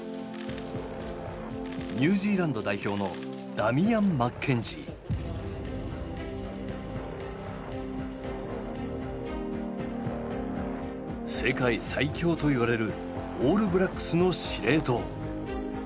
ニュージーランド代表の世界最強といわれるオールブラックスの司令塔。